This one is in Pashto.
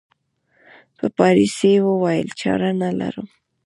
په پارسي یې وویل چاره نه لرم.